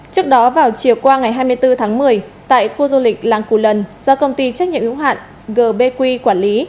trước đó vào chiều qua ngày hai mươi bốn tháng một mươi tại khu du lịch làng cù lần do công ty trách nhiệm hữu hạn gbq quản lý